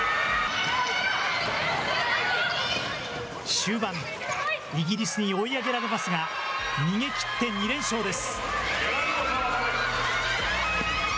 終盤、イギリスに追い上げられますが、逃げきって２連勝です。